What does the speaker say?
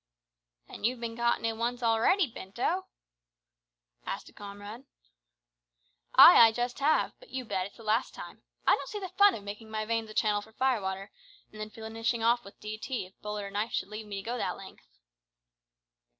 "Then you've bin caught in it once already, Jo Pinto?" said a comrade. "Ay, I just have, but, you bet, it's the last time. I don't see the fun of makin' my veins a channel for firewater, and then finishin' off with D.T., if bullet or knife should leave me to go that length."